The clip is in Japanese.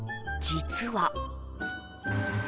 実は。